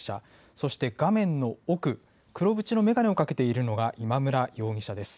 そして画面の奥、黒縁の眼鏡を掛けているのが今村容疑者です。